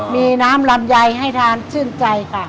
มีน้ำลำไยให้ทานชื่นใจค่ะ